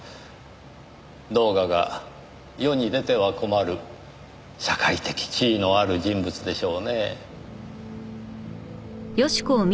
動画が世に出ては困る社会的地位のある人物でしょうねぇ。